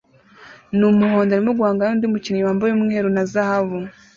numuhondo arimo guhangana nundi mukinnyi wambaye umweru na zahabu